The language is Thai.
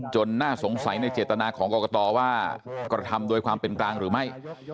น่าสงสัยในเจตนาของกรกตว่ากระทำโดยความเป็นกลางหรือไม่